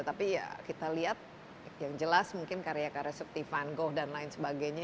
tapi ya kita lihat yang jelas mungkin karya karya seperti van go dan lain sebagainya